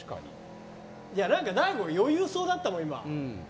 何か大悟余裕そうだったもん。